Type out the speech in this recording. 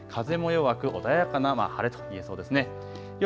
風も弱く穏やかな晴れといえそうですね。